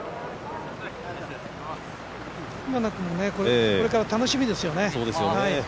今野君もこれから楽しみですよね。